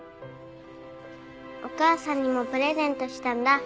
お母さんにもプレゼントしたんだ。